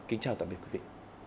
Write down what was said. kính chào tạm biệt quý vị